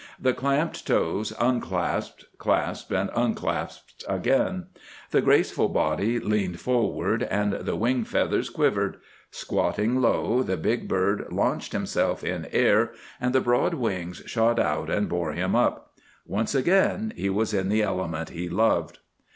The clamped toes unclasped, clasped, and unclasped again; the graceful body leaned forward, and the wing feathers quivered. Squatting low, the big bird launched himself in air and the broad wings shot out and bore him up. Once again he was in the element he loved.